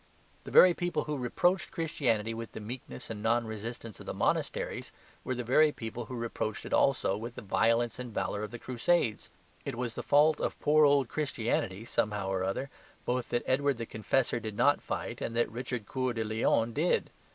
The very people who reproached Christianity with the meekness and non resistance of the monasteries were the very people who reproached it also with the violence and valour of the Crusades. It was the fault of poor old Christianity (somehow or other) both that Edward the Confessor did not fight and that Richard Coeur de Leon did.